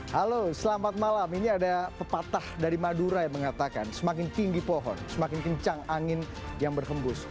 halo selamat malam ini ada pepatah dari madura yang mengatakan semakin tinggi pohon semakin kencang angin yang berhembus